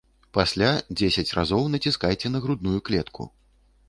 Пасля дзесяць разоў націскайце на грудную клетку.